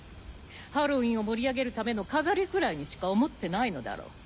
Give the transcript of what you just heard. ハロウィンを盛り上げるための飾りくらいにしか思ってないのだろう。